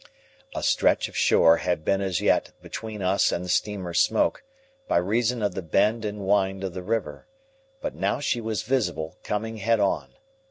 A stretch of shore had been as yet between us and the steamer's smoke, by reason of the bend and wind of the river; but now she was visible, coming head on.